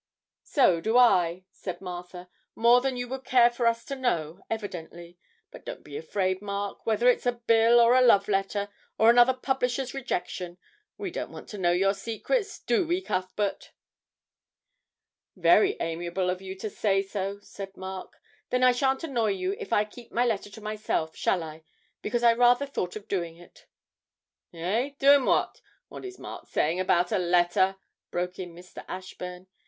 'So do I,' said Martha, 'more than you would care for us to know, evidently; but don't be afraid, Mark, whether it's a bill, or a love letter, or another publisher's rejection; we don't want to know your secrets do we, Cuthbert?' 'Very amiable of you to say so,' said Mark. 'Then I shan't annoy you if I keep my letter to myself, shall I? Because I rather thought of doing it.' 'Eh? doing what? What is Mark saying about a letter?' broke in Mr. Ashburn.